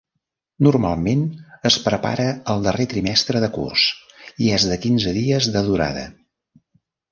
Normalment es prepara el darrer trimestre de curs, i és de quinze dies de durada.